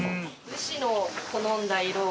武士の好んだ色を。